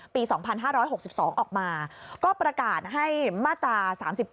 ปี๒๕๖๒ออกมาก็ประกาศให้มาตรา๓๙